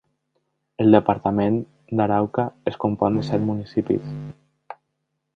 El departament d'Arauca es compon de set municipis.